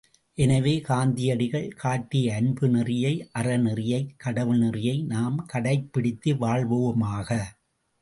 எனவே, காந்தியடிகள் காட்டிய அன்பு நெறியை அறநெறியை கடவுள் நெறியை நாம் கடைப்பிடித்து வாழ்வோமாக!